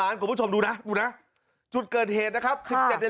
เพื่อนคุณผู้ชมดูนะจุดเกินเหตุนะครับทั้ง๑๗นาที